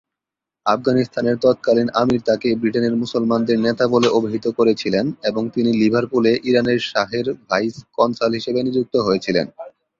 আফগানিস্তানের তৎকালীন আমির তাকে ব্রিটেনের মুসলমানদের নেতা বলে অভিহিত করেছিলেন এবং তিনি লিভারপুলে ইরানের শাহের ভাইস কনসাল হিসেবে নিযুক্ত হয়েছিলেন।